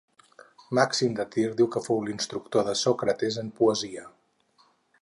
Màxim de Tir diu que fou l'instructor de Sòcrates en poesia.